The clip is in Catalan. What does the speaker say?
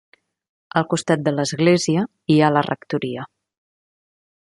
Al costat de l'església hi ha la rectoria.